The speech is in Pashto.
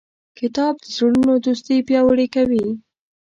کتاب د زړونو دوستي پیاوړې کوي.